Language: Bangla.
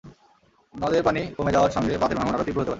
নদের পানি কমে যাওয়ার সঙ্গে বাঁধের ভাঙন আরও তীব্র হতে পারে।